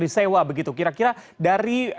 disewa begitu kira kira dari